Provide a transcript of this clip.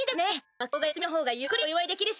学校が休みのほうがゆっくりお祝いできるし！